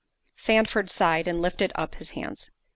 Sandford sighed, and lifted up his hands.